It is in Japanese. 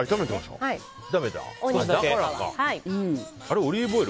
オリーブオイル？